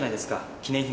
「記念品」？